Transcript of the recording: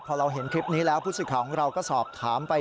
พอเราเห็นคลิปนี้แล้วผู้สื่อข่าวของเราก็สอบถามไป